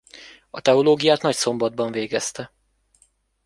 A teológiát Nagyszombatban végezte.